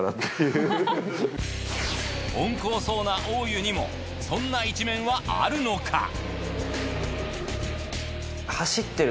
温厚そうな大湯にもそんな一面はあるのか？